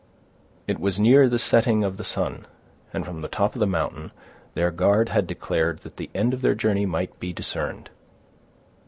It was near the setting of the sun, and, from the top of the mountain, their guard had declared that the end of their journey might be discerned.